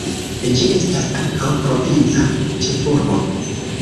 Ĝi estas ankaŭ provinca ĉefurbo.